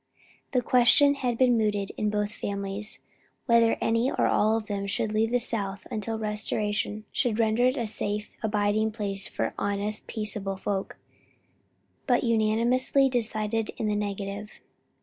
The question had been mooted in both families whether any or all of them should leave the South until the restoration of law and order should render it a safe abiding place for honest, peaceable folk, but unanimously decided in the negative.